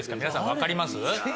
皆さん分かります？